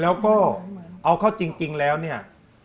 แล้วก็เอาเข้าจริงแล้วเนี่ย